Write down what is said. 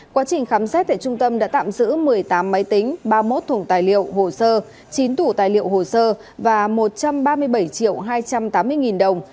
quá trình khám xét tại trung tâm đã tạm giữ một mươi tám máy tính ba mươi một thùng tài liệu hồ sơ chín tủ tài liệu hồ sơ và một trăm ba mươi bảy hai trăm tám mươi nghìn đồng